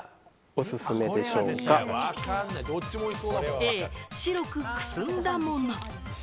Ａ・白くくすんだもの。